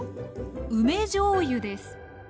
梅じょうゆです